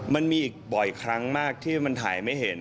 มันมีอีกบ่อยครั้งมากที่มันถ่ายไม่เห็น